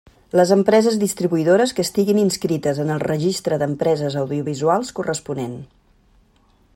Les empreses distribuïdores que estiguin inscrites en el registre d'empreses audiovisuals corresponent.